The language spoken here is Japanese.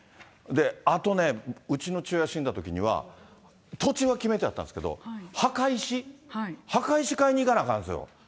あとね、うちの父親死んだときには、土地は決めてあったんですけど、墓石、墓石買いに行かなあかんすよ。